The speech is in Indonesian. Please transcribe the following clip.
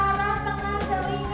satu dua telinga